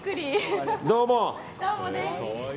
どうも！